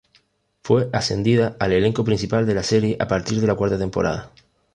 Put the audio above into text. Fue ascendida al elenco principal de la serie a partir de la cuarta temporada.